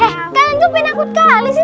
eh kalian tuh penakut sekali sih